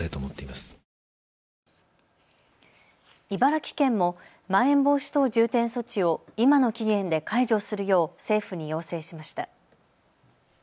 茨城県もまん延防止等重点措置を今の期限で解除するよう政府に要請しました。